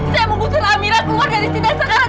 saya mau pusing amira keluar dari sini sekarang